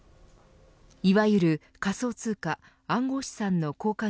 いわゆる仮想通貨暗号資産の交換